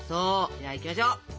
じゃあいきましょう！